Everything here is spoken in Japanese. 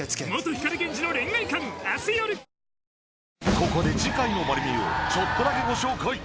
ここで次回のまる見え！をちょっとだけご紹介。